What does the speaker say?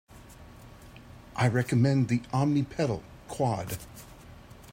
I recommend the Omni pedal Quad.